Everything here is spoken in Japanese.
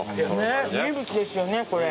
名物ですよねこれ。